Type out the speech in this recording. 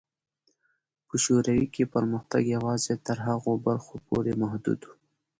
په شوروي کې پرمختګ یوازې تر هغو برخو پورې محدود و.